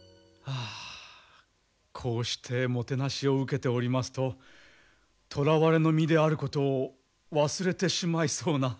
ああこうしてもてなしを受けておりますと捕らわれの身であることを忘れてしまいそうな。